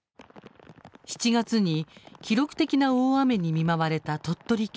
７月に記録的な大雨に見舞われた鳥取県。